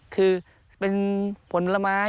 คือเป็นผลไม้